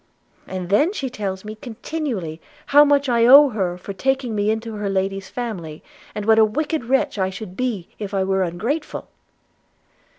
And then she tells me continually how much I owe her for taking me into her lady's family, and what a wicked wretch I should be if I were ungrateful.'